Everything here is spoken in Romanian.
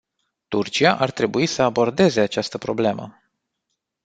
Turcia ar trebui să abordeze această problemă.